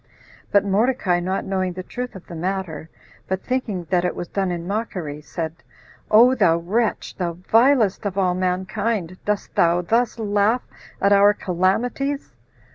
But Mordecai, not knowing the truth of the matter, but thinking that it was done in mockery, said, "O thou wretch, the vilest of all mankind, dost thou thus laugh at our calamities?"